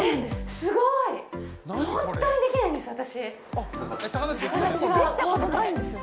すごい、本当にできないんですよ、私。